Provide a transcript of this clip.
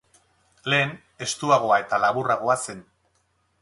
Lehen estuagoa eta laburragoa zen.